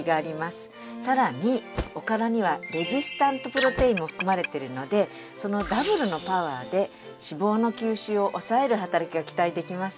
さらにおからにはレジスタントプロテインも含まれてるのでそのダブルのパワーで脂肪の吸収を抑える働きが期待できますね。